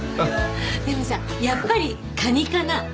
でもさやっぱりカニかな？